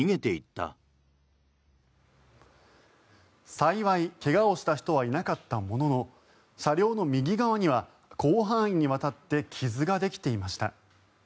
幸い、怪我をした人はいなかったものの車両の右側には広範囲にわたって傷ができていました。